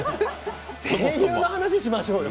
声優の話、しましょうよ。